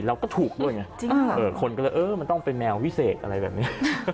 แล้วก็ถูกด้วยเนี่ยจริงหรอเออคนก็เลยเออมันต้องเป็นแมววิเศษอะไรแบบนี้